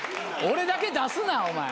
俺だけ出すなお前。